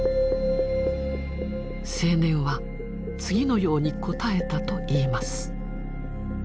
青年は次のように答えたといいます。